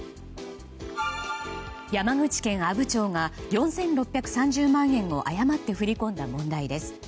山口県阿武町が４６３０万円を誤って振り込んだ問題です。